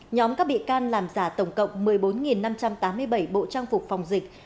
nhóm các bị can làm giả tổng cộng một mươi bốn năm trăm tám mươi bảy bộ trang phục phòng dịch